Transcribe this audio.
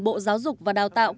bộ giáo dục và đào tạo